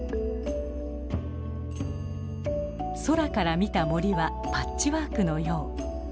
空から見た森はパッチワークのよう。